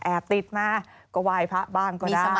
แอบติดมาก็วายพะบ้านก็ได้